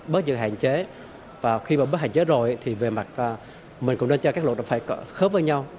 bớt những hạn chế và khi mà bớt hạn chế rồi thì về mặt mình cũng nên cho các luật phải khớp với nhau